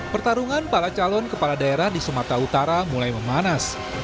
pertarungan para calon kepala daerah di sumatera utara mulai memanas